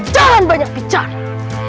jangan banyak bicara